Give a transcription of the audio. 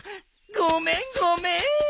ごめんごめん。